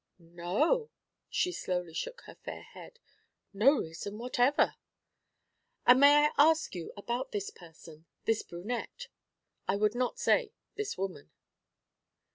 'No' she slowly shook her fair head 'no reason whatever.' 'And may I ask you about this person, this brunette? I would not say 'this woman.''